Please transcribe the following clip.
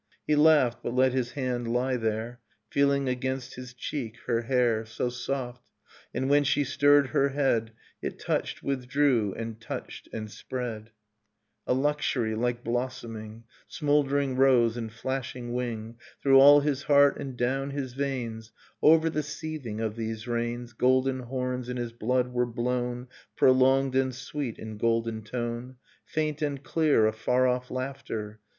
"i He laughed, but let his hand lie there; | Feeling against his cheek her hair, So soft; and when she stirred her head It touched, withdrew, and touched, and spread \ A luxury, like blossoming, Smouldering rose and flashing wing, ' Through all his heart: and down his veins, Over the seething of these rains, i Golden horns in his blood were blown, j Prolonged and sweet in golden tone, ' Faint and clear, a far off laughter.